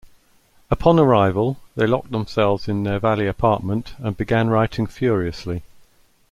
Upon arrival, they locked themselves in their Valley apartment and began writing furiously.